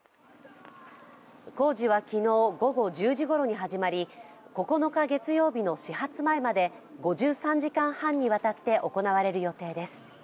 工事は昨日、午後１０時ごろに始まり９日月曜日の始発前まで５３時間半にわたって行われる予定です。